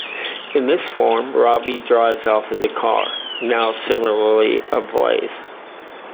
In this form, Robbie drives off in the car, now similarly ablaze.